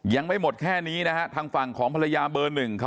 ยังไม่หมดแค่นี้นะฮะทางฝั่งของภรรยาเบอร์หนึ่ง